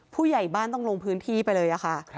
ผู้ใหญ่บ้านต้องลงพื้นที่ไปเลยค่ะ